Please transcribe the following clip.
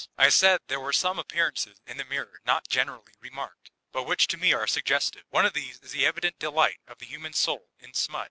I said there were some appearances in the Mirror not generally remarked, but which to me are suggestive. One of these is the evident delight of the human soul in smut.